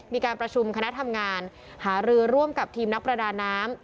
มีการประชุมคณะทำงานหารือร่วมกับทีมนักประดาน้ำ